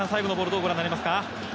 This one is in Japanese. どうご覧になりますか。